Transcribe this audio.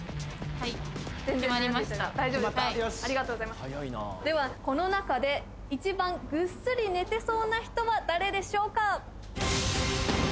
はい大丈夫ですかありがとうございますではこの中で１番ぐっすり寝てそうな人は誰でしょうか？